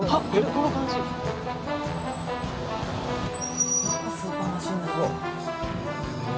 どんなスーパーマシンだろう？